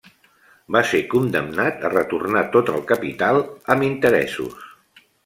Va ser condemnat a retornar tot el capital amb interessos.